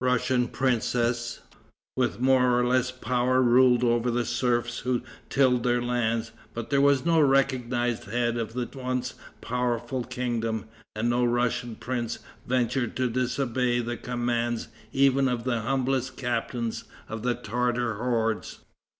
Russian princes, with more or less power ruled over the serfs who tilled their lands, but there was no recognized head of the once powerful kingdom, and no Russian prince ventured to disobey the commands even of the humblest captain of the Tartar hordes.